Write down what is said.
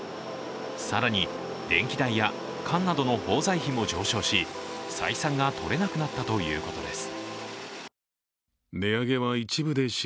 更に、電気代や缶などの包材費も上昇し採算が取れなくなったということです。